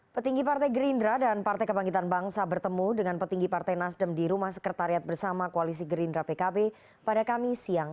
petinggi partai gerindra dan partai kebangkitan bangsa bertemu dengan petinggi partai nasdem di rumah sekretariat bersama koalisi gerindra pkb pada kamis siang